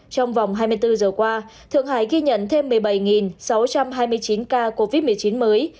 trong vòng hai mươi bốn giờ qua thượng hải ghi nhận thêm một mươi bảy sáu trăm hai mươi chín ca covid một mươi chín mới